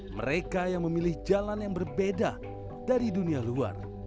mereka yang memilih jalan yang berbeda dari dunia luar